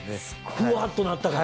フワっとなったから。